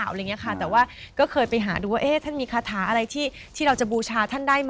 อะไรอย่างนี้ค่ะแต่ว่าก็เคยไปหาดูว่าท่านมีคาถาอะไรที่เราจะบูชาท่านได้ไหม